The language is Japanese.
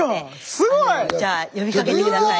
すごい！呼びかけて下さい。